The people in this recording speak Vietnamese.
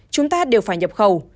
chúng ta đều phải nhập khẩu